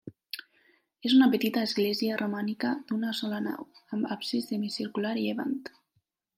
És una petita església romànica d'una sola nau, amb absis semicircular a llevant.